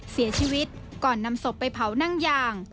เสียชีวิตก่อนนำศพไปเผานั่งยาง